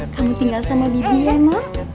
kamu tinggal sama bibi emang